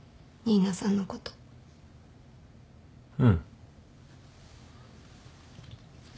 うん。